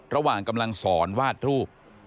ระหว่างกำลังสอนวาดรูป